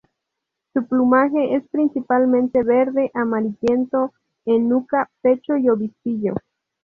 Su plumaje es principalmente verde, amarillento en nuca, pecho y obispillo.